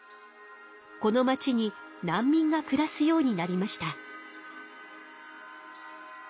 この街に難民がくらすようになりました。